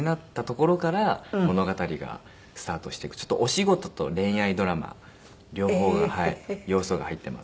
ところから物語がスタートしていくちょっとお仕事と恋愛ドラマ両方が要素が入ってます。